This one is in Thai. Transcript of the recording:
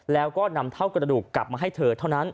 แล้วก็นำเท่ากระดูกกลับมาให้เธอเท่านั้น